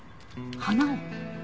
花を？